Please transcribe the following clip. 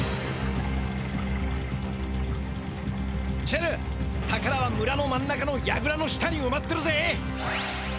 チェル宝は村の真ん中のやぐらの下にうまってるぜ！